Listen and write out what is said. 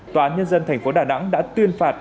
tòa án nhân dân tp đà nẵng đã tuyên phạt